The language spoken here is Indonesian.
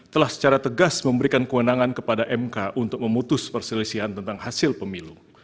telah secara tegas memberikan kewenangan kepada mk untuk memutus perselisihan tentang hasil pemilu